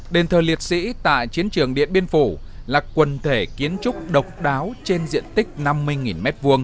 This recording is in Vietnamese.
đền thờ liệt sĩ tại chiến trường điện biên phủ là quần thể kiến trúc độc đáo trên diện tích năm mươi m hai